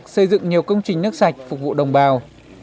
xây dựng nhiều công trình nước sạch phục vụ đồng bào